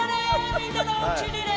みんなのおうちにね。